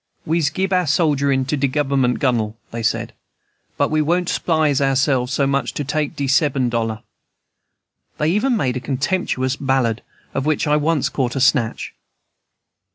"We'se gib our sogerin' to de Guv'ment, Gunnel," they said, "but we won't 'spise ourselves so much for take de seben dollar." They even made a contemptuous ballad, of which I once caught a snatch.